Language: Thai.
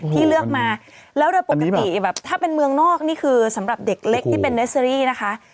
ที่เลือกมาแล้วโดยปกติแบบถ้าเป็นเมืองนอกนี่คือสำหรับเด็กเล็กที่เป็นเนสเตอรี่นะคะ